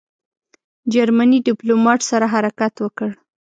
جرمني ډیپلوماټ سره حرکت وکړ.